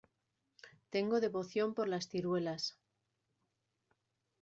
Tengo devoción por las ciruelas.